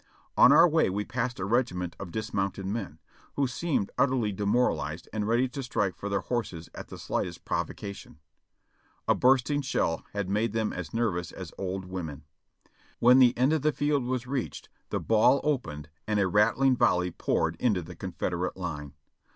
On our way w'e passed a regiment of dismounted men, who seemed utterly demoralized and ready to strike for their horses at the slightest provocation. A bursting shell had made them as nervous as old women. When the end of the field was reached, the ball opened and a rattling volley poured into the Confederate line.